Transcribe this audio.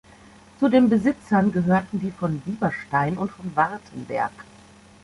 Zu den Besitzern gehörten die von Bieberstein und von Wartenberg.